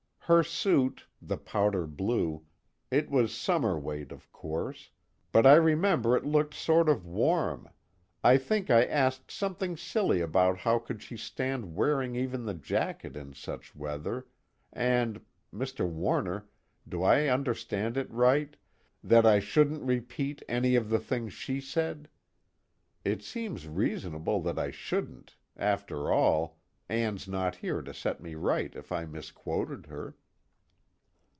Her suit the powder blue it was summer weight of course, but I remember it looked sort of warm, I think I asked something silly about how could she stand wearing even the jacket in such weather, and Mr. Warner, do I understand it right, that I shouldn't repeat any of the things she said? It seems reasonable that I shouldn't after all, Ann's not here to set me right if I misquoted her."